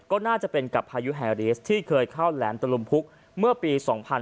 ก็น่าจะเป็นกับพายุแฮรีสที่เคยเข้าแหลมตะลุมพุกเมื่อปี๒๕๕๙